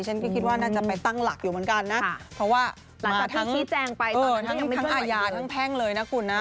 ชั้นก็คิดว่าน่าจะไปตั้งหลักอยู่เหมือนกันนะ